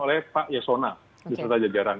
oleh pak yesona